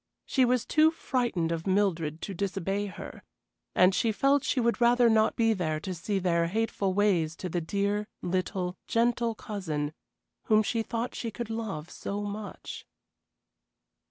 She was too frightened of Mildred to disobey her, and she felt she would rather not be there to see their hateful ways to the dear, little, gentle cousin whom she thought she could love so much.